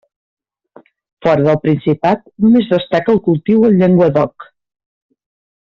Fora del Principat només destaca el cultiu al Llenguadoc.